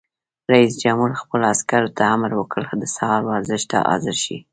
رئیس جمهور خپلو عسکرو ته امر وکړ؛ د سهار ورزش ته حاضر شئ!